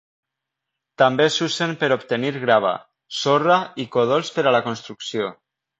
També s'usen per obtenir grava, sorra i còdols per a la construcció.